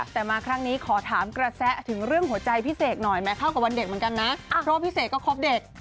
แต่มาครั้งนี้ขอถามกระแสถึงเรื่องหัวใจพี่เสกหน่อยไหมเข้ากับวันเด็กเหมือนกันนะเพราะว่าพี่เสกก็คบเด็ก